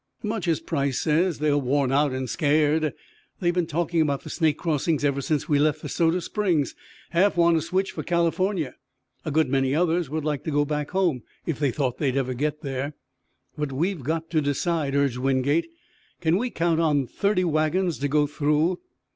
"Much as Price says. They're worn out and scared. They're been talking about the Snake crossings ever since we left the Soda Springs. Half want to switch for California. A good many others would like to go back home if they thought they'd ever get there!" "But we've got to decide," urged Wingate. "Can we count on thirty wagons to go through?